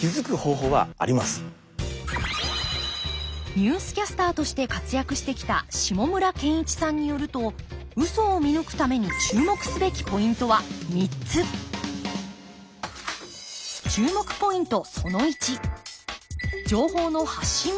ニュースキャスターとして活躍してきた下村健一さんによるとウソを見抜くために注目すべきポイントは３つ注目ポイント